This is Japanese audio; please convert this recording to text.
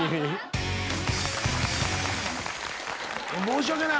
申し訳ない。